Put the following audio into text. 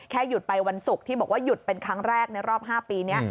หยุดไปวันศุกร์ที่บอกว่าหยุดเป็นครั้งแรกในรอบ๕ปีนี้